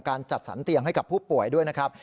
จัดสรรเตียงให้กับผู้ป่วยด้วยนะครับ